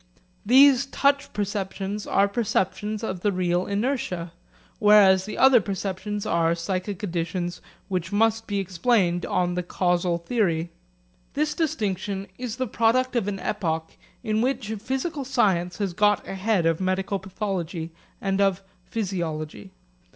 These touch perceptions are perceptions of the real inertia, whereas the other perceptions are psychic additions which must be explained on the causal theory. This distinction is the product of an epoch in which physical science has got ahead of medical pathology and of physiology.